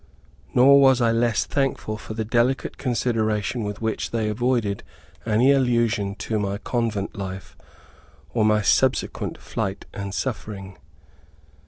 Nor was I less thankful for the delicate consideration with which they avoided any allusion to my convent life, or my subsequent flight and suffering.